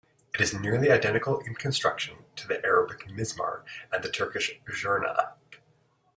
It is nearly identical in construction to the Arabic "mizmar" and the Turkish "zurna".